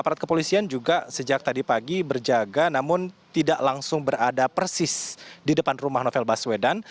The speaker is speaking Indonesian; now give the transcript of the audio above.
aparat kepolisian juga sejak tadi pagi berjaga namun tidak langsung berada persis di depan rumah novel baswedan